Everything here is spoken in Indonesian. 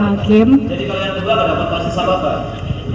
jadi kalau yang kedua bagaimana